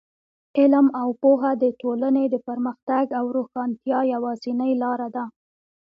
علم او پوهه د ټولنې د پرمختګ او روښانتیا یوازینۍ لاره ده.